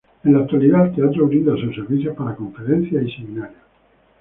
En la actualidad el teatro brinda sus servicios para conferencias y seminarios.